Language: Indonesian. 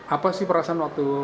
apa sih perasaan waktu